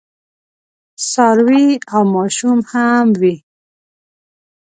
څاروي او ماشوم هم وي.